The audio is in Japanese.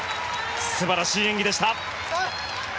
素晴らしい演技でした。